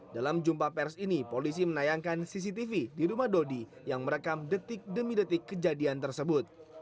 dalam jumpa pers ini polisi menayangkan cctv di rumah dodi yang merekam detik demi detik kejadian tersebut